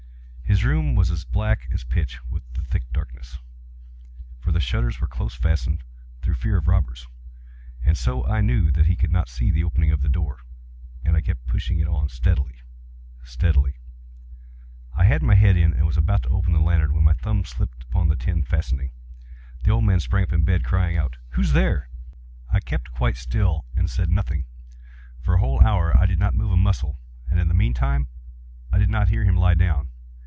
His room was as black as pitch with the thick darkness, (for the shutters were close fastened, through fear of robbers,) and so I knew that he could not see the opening of the door, and I kept pushing it on steadily, steadily. I had my head in, and was about to open the lantern, when my thumb slipped upon the tin fastening, and the old man sprang up in bed, crying out—"Who's there?" I kept quite still and said nothing. For a whole hour I did not move a muscle, and in the meantime I did not hear him lie down.